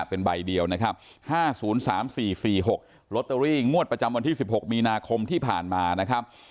เป็นใบเดียวนะครับ๕๐๓๔๔๖ลอตเตอรี่งวดประจำวันที่๑๖มีนาคมที่ผ่านมานะครับ